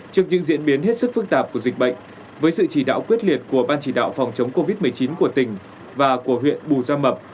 trước những diễn biến hết sức phức tạp của dịch bệnh với sự chỉ đạo quyết liệt của ban chỉ đạo phòng chống covid một mươi chín của tỉnh và của huyện bù gia mập